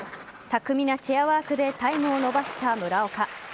巧みなチェアワークでタイムを伸ばした村岡。